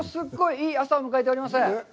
いい朝を迎えております。